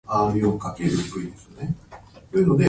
井の中の蛙大海を知らず